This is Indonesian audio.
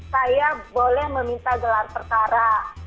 saya boleh meminta gelar perkara